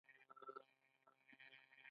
ځان كم عقل شمارل